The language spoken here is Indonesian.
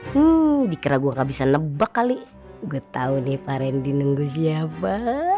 hmm dikira gue gak bisa nebak kali gue tau nih pak randy nunggu siapa